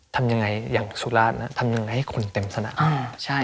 ทำยังไงอย่างสุราชนะทำยังไงให้คนเต็มสนาม